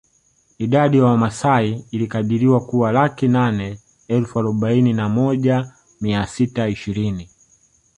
Idadi ya Wamasai ilikadiriwa kuwa laki nane elfu arobaini na moja mia sita ishirini